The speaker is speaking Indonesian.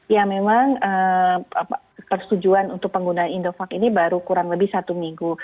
ya memang persetujuan untuk penggunaan indovac ini baru kurang lebih satu minggu